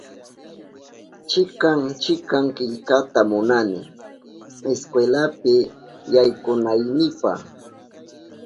Chikan chikan killkata munani iskwelapi yaykunaynipa